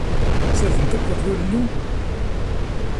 Sardent akk leqlud-nni?